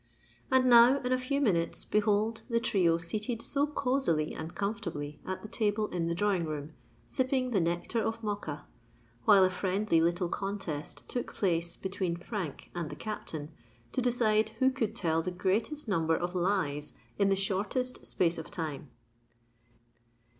And now, in a few minutes, behold the trio seated so cozily and comfortably at the table in the drawing room, sipping the nectar of Mocha; while a friendly little contest took place between Frank and the Captain, to decide who could tell the greatest number of lies in the shortest space of time.